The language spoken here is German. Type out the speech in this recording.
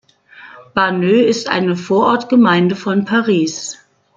Bagneux ist eine Vorortgemeinde von Paris.